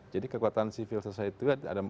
jadi kekuatan civil society itu